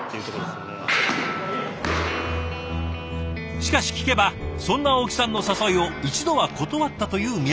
しかし聞けばそんな青木さんの誘いを一度は断ったという宮澤さん。